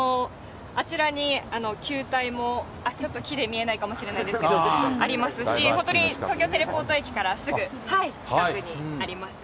あちらに球体も、ちょっと木で見えないかもしれないですけど、ありますし、本当に、東京テレポート駅からすぐ近くにあります。